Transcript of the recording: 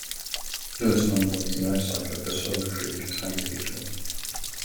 Little is known about the life cycle of the Salt Creek tiger beetle.